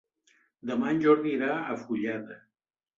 Demà en Jordi irà a Fulleda.